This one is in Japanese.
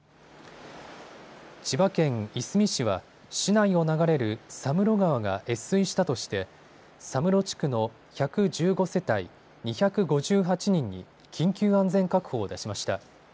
千葉県いすみ市は市内を流れる佐室川が越水したとして佐室地区の１１５世帯２５８人に緊急安全確保を出しました。